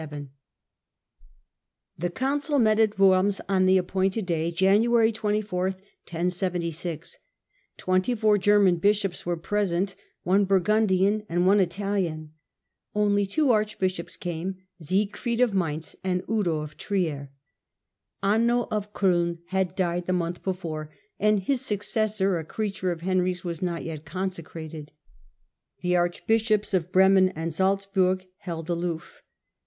1076 77. The council met at Worms on the appointed day, January 24, 1076, Twenty four German bishops were Meeting of present, one Burgundian and one Italian. at wormi Only two archbishops came : Siegfried of Mainz and Udo of Trier. Anno of C6ln had died the month before, and his successor, a creature of Henry's, was not yet consecrated. The archbishops of Bremen and Salzburg held aloof.